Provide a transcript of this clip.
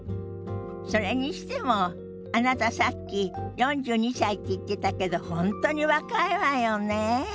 それにしてもあなたさっき４２歳って言ってたけど本当に若いわよねえ。